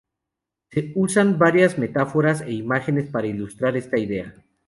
Se usan varias metáforas e imágenes para ilustrar esta idea.